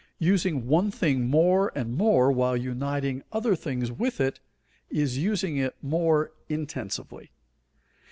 Using one thing more and more while uniting other things with it, is using it more intensively.